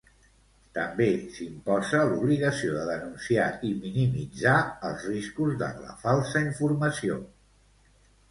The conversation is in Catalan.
També s'imposa l'obligació de denunciar i minimitzar els riscos de la falsa informació.